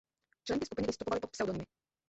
Členky skupiny vystupovaly pod pseudonymy.